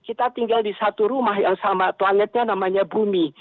kita tinggal di satu rumah yang sama planetnya namanya bumi